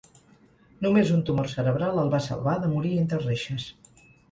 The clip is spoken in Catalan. Només un tumor cerebral el va salvar de morir entre reixes.